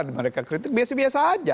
mereka kritik biasa biasa aja